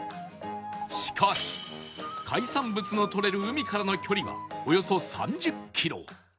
しかし海産物のとれる海からの距離はおよそ３０キロ